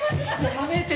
やめて！